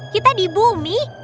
kita di bumi